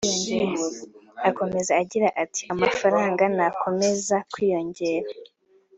Akomeza agira ati”Amafaranga nakomeza kwiyongera